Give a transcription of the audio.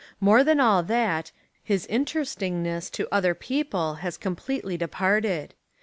More than all that, his in terestingness to other people has completely de parted.